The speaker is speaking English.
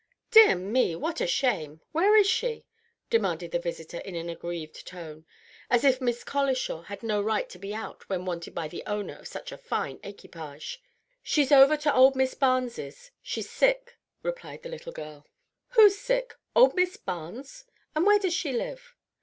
"Dear me, what a shame! where is she?" demanded the visitor, in an aggrieved tone, as if Miss Colishaw had no right to be out when wanted by the owner of such a fine equipage. "She's over to old Miss Barnes's. She's sick," replied the little girl. "Who's sick? old Miss Barnes? And where does she live?"